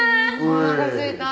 おなかすいた。